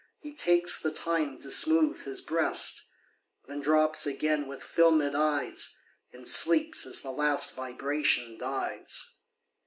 He takes the time to smooth his breast. Then drops again with fdmed eyes, And sleeps as the last vibration dies.